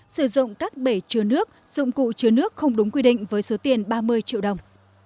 sử dụng các bể chứa nước dụng cụ chứa nước không đúng quy định với số tiền ba mươi triệu đồng